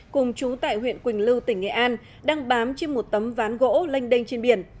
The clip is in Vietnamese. cùng chú tại huyện quỳnh lưu tỉnh nghệ an đang bám trên một tấm ván gỗ lanh đênh trên biển